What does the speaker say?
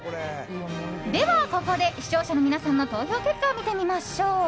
では、ここで視聴者の皆さんの投票結果を見てみましょう。